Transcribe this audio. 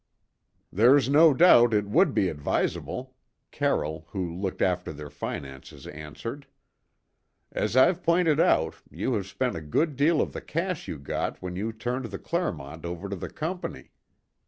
"There's no doubt it would be advisable," Carroll, who looked after their finances, answered. "As I've pointed out, you have spent a good deal of the cash you got when you turned the Clermont over to the company.